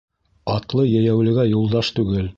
Атлы йәйәүлегә юлдаш түгел.